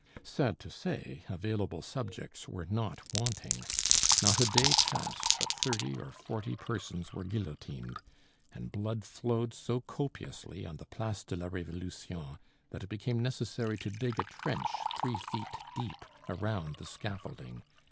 Sad to say, available subjects were not wanting. Not a day passed but thirty or forty persons were guillotined, and blood flowed so copiously on the Place de la Révolution that it became necessary to dig a trench three feet deep around the scaffolding.